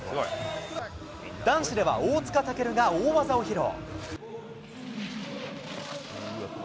男子では、大塚健が大技を披露。